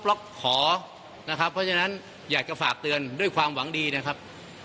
เพราะฉะนั้นอยากจะฝากเตือนด้วยความหวังดีนะครับ